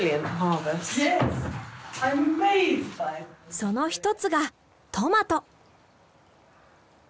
その一つがトマト。